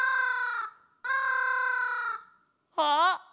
あっ！